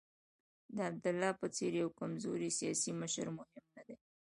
د عبدالله په څېر یو کمزوری سیاسي مشر مهم نه دی.